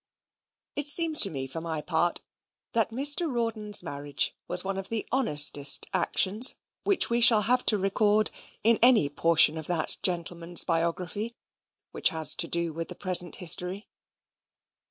It seems to me, for my part, that Mr. Rawdon's marriage was one of the honestest actions which we shall have to record in any portion of that gentleman's biography which has to do with the present history.